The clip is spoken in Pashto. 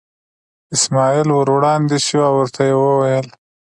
اسماعیل ور وړاندې شو او ورته یې وویل.